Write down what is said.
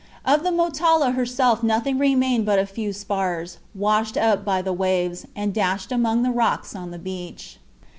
Of the Motala herself nothing remained but a few spars, washed up by the waves, and dashed among the rocks on the beach.